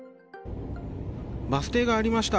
バス停がありました。